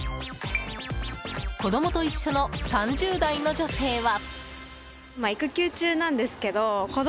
子供と一緒の３０代の女性は。